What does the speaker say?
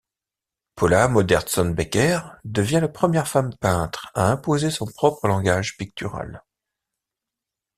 Paula Modersohn-Becker devient la première femme peintre à imposer son propre langage pictural.